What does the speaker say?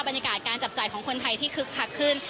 บรรยากาศการจับจ่ายของคนไทยที่คึกคักขึ้น